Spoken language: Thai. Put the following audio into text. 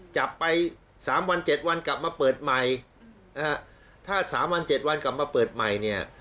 จับไป๓วัน๗วันกลับมาเปิดใหม่ถ้า๓วัน๗วันกลับมาเปิดใหม่